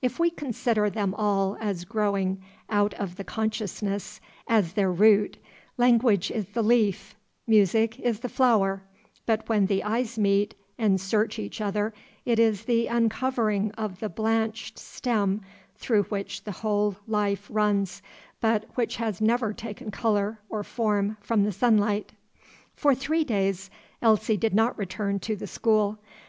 If we consider them all as growing out of the consciousness as their root, language is the leaf, music is the flower; but when the eyes meet and search each other, it is the uncovering of the blanched stem through which the whole life runs, but which has never taken color or form from the sunlight. For three days Elsie did not return to the school.